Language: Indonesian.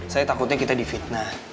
saya takutnya kita di fitnah